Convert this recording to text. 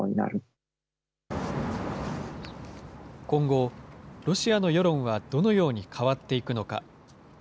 今後、ロシアの世論はどのように変わっていくのか。